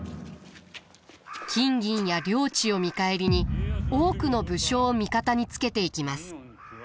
金銀や領地を見返りに多くの武将を味方につけていきます。